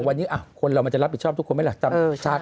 วันนี้คนเรามันจะรับผิดชอบทุกคนไหมล่ะตามชาติ